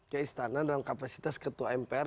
ke istana dalam kapasitas ketua mpr